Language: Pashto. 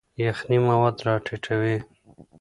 یخنۍ مواد راټیټوي.